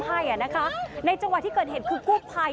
ให้นะคะในเจ้าว่าที่เกิดเหตุควบคลาย